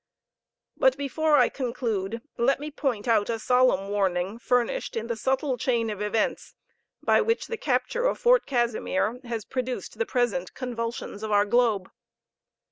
But before I conclude let me point out a solemn warning furnished in the subtle chain of events by which the capture of Fort Casimir has produced the present convulsions of our globe.